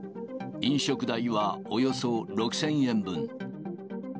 飲食代はおよそ６０００円分。